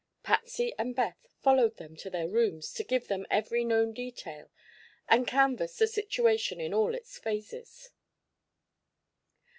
Patsy and Beth followed them to their rooms to give them every known detail and canvass the situation in all its phases.